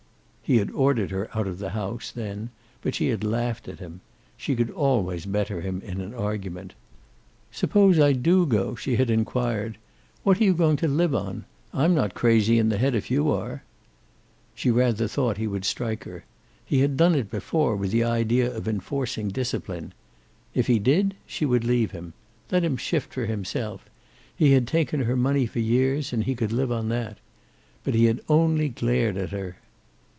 He had ordered her out of the house, then, but she had laughed at him. She could always better him in an argument. "Suppose I do go?" she had inquired. "What are you going to live on? I'm not crazy in the head, if you are." She rather thought he would strike her. He had done it before, with the idea of enforcing discipline. If he did, she would leave him. Let him shift for himself. He had taken her money for years, and he could live on that. But he had only glared at her.